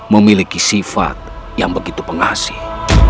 memiliki sifat yang begitu pengasih